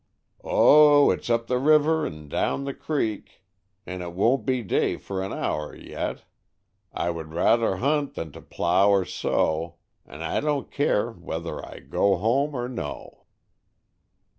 "Oh, it's up the river an' down the creek; An' it won't be day for an hour yet; I would ruther hunt than to plow or sow, An' I don't care whether I go home or no."